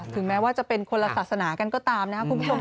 แม้ว่าจะเป็นคนละศาสนากันก็ตามนะครับคุณผู้ชม